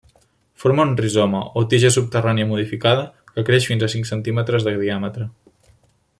Forma un rizoma, o tija subterrània modificada, que creix fins a cinc centímetres de diàmetre.